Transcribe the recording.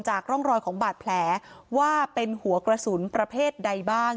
ร่องรอยของบาดแผลว่าเป็นหัวกระสุนประเภทใดบ้าง